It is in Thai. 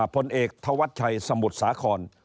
พลเอกธวัชชัยสมุทรสาคร